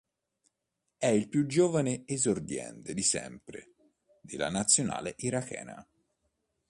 È il più giovane esordiente di sempre della Nazionale irachena.